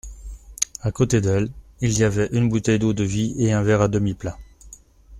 À côté d'elle, il y avait une bouteille d'eau-de-vie et un verre à demi plein.